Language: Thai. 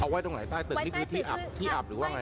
ไว้ตรงไหนใต้ตึกนี่คือที่อับที่อับหรือว่าไง